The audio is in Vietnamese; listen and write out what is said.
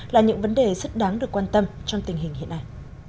là những vấn đề rất đáng được quan tâm trong tình hình hiện nay